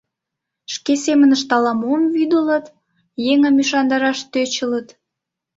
Шке семынышт ала-мом вӱдылыт, еҥым ӱшандараш тӧчылыт.